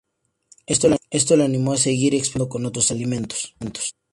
Esto le animó a seguir experimentando con otros alimentos.